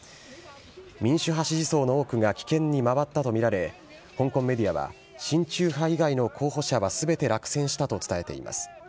民主派支持層の多くが棄権に回ったと見られ、香港メディアは、親中派以外の候補者はすべて落選したと伝えています。